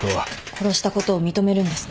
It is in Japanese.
殺したことを認めるんですね？